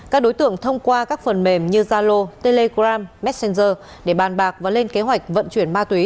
các đối tượng thông qua các phần mềm như zalo telegram messenger để bàn bạc và lên kế hoạch vận chuyển ma túy